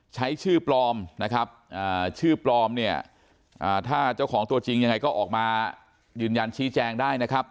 ใช้ชื่อปลอมนะครับชื่อปลอมเนี่ยถ้าเจ้าของตัวจริงยังไงก็ออกมายืนยันชี้แจงได้นะครับ